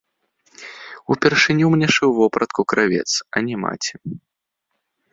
Упершыню мне шыў вопратку кравец, а не маці.